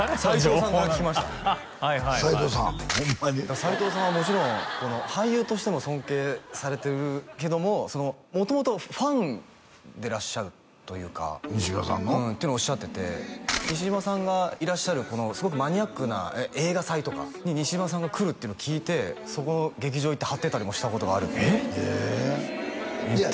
ホンマに斎藤さんはもちろん俳優としても尊敬されてるけども元々ファンでらっしゃるというか西島さんの？っていうのをおっしゃってて西島さんがいらっしゃるすごくマニアックな映画祭とかに西島さんが来るっていうのを聞いてそこの劇場へ行って張ってたりもしたことがあるってえっ？